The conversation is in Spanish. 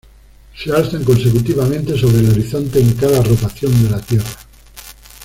Se alzan consecutivamente sobre el horizonte en cada rotación de la Tierra.